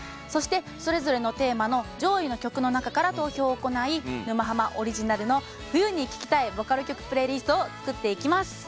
そして、それぞれのテーマの上位の曲の中から投票を行い「沼ハマ」オリジナルの冬に聴きたいボカロ曲プレイリストを作っていきます。